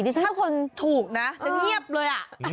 ถ้าคนถูกนะจะเงียบเลย